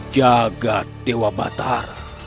jagad dewa batara